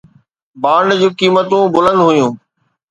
bond جون قيمتون بلند هيون